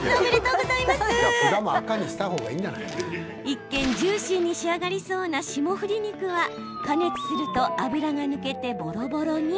一見、ジューシーに仕上がりそうな霜降り肉は加熱すると脂が抜けてぼろぼろに。